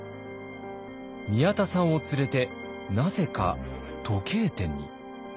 宮田さんを連れてなぜか時計店に。